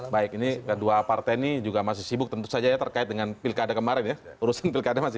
baik ini kedua partai ini juga masih sibuk tentu saja ya terkait dengan pilkada kemarin ya